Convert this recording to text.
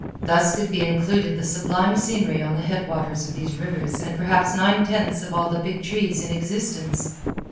Thus could be included the sublime scenery on the headwaters of these rivers and perhaps nine tenths of all the big trees in existence.